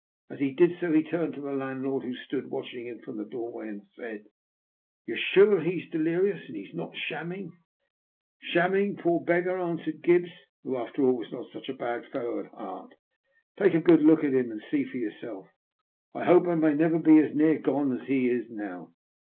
As he did so he turned to the landlord, who stood watching him from the doorway, and said — "You're sure he's delirious, that he's not shamming ?"" Shamming? Poor beggar," answered Gibbs, who after all was not such a bad fellow at heart. " Take a good look at him and see for yourself. I hope I may never be as near gone as he is now."